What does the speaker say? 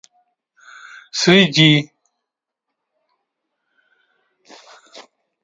среди